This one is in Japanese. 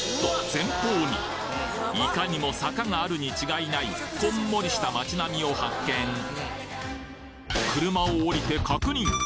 前方にいかにも坂があるに違いないこんもりした街並みを発見車を降りて確認